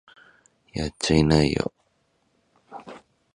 やっちゃいなよ